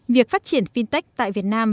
việc phát triển fintech tại việt nam